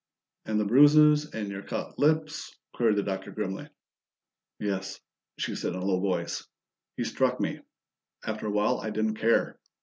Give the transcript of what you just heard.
"And the bruises? And your cut lips?" queried the Doctor grimly. "Yes," she said in a low voice. "He struck me. After a while I didn't care.